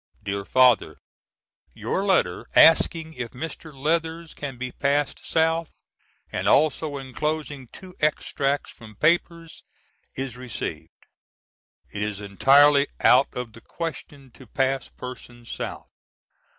DEAR FATHER: Your letter asking if Mr. Leathers can be passed South, and also enclosing two extracts from papers is received. It is entirely out of the question to pass persons South.